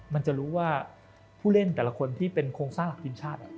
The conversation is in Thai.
มันจะรู้ว่าผู้เล่นแต่ละคนที่เป็นโครงสร้างหลักทีมชาติ